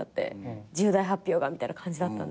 「重大発表が」みたいな感じだったんで。